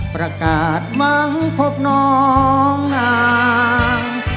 ประกาศมั้งพบน้องนาง